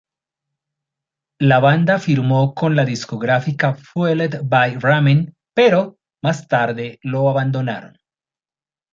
La banda firmó con la discográfica Fueled By Ramen, pero más tarde lo abandonaron.